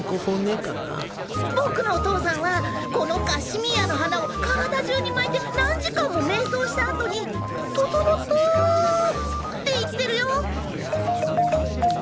僕のお父さんはこのカシミーヤの花を体中に巻いて何時間も瞑想した後に「ととのった」って言ってるよ。